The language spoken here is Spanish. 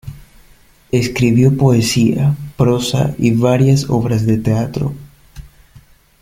Escribió poesía, prosa y varias obras de teatro.